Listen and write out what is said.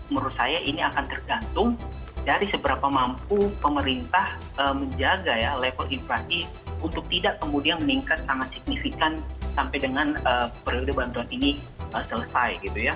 menurut saya ini akan tergantung dari seberapa mampu pemerintah menjaga ya level inflasi untuk tidak kemudian meningkat sangat signifikan sampai dengan periode bantuan ini selesai gitu ya